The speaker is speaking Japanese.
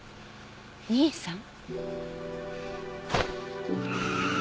兄さん？